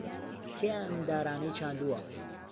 کێ ئەم دارانەی چاندووە؟